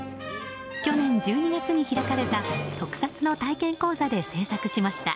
去年１２月に開かれた特撮の体験講座で制作しました。